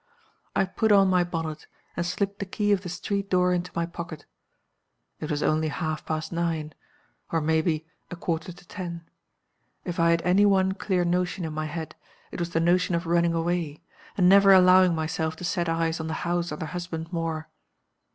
"I put on my bonnet, and slipped the key of the street door into my pocket. It was only half past nine or maybe a quarter to ten. If I had any one clear notion in my head, it was the notion of running away, and never allowing myself to set eyes on the house or the husband more.